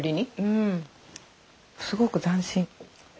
うんすごく斬新。